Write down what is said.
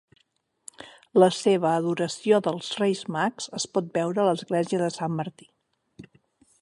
La seva "adoració dels Reis Mags" es pot veure a l'església de Sant Martí.